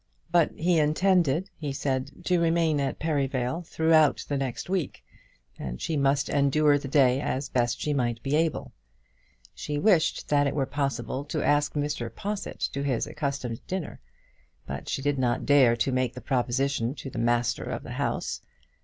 But he intended, he said, to remain at Perivale throughout the next week, and she must endure the day as best she might be able. She wished that it were possible to ask Mr. Possitt to his accustomed dinner; but she did not dare to make the proposition to the master of the house.